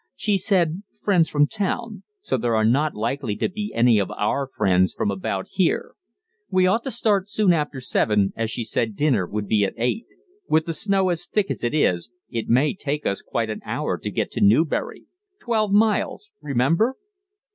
She said 'friends from town,' so there are not likely to be any of our friends from about here. We ought to start soon after seven, as she said dinner would be at eight; with the snow as thick as it is it may take us quite an hour to get to Newbury twelve miles, remember."